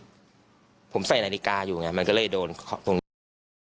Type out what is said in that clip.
ผมเวี่ยงนี่ผมใส่นาฬิกาอยู่ไงมันก็เลยโดนตรงนี้